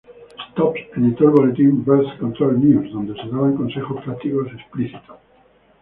Stopes editó el boletín "Birth Control News" donde se daban consejos prácticos explícitos.